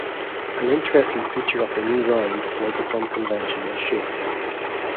An interesting feature of the new round was its unconventional shape.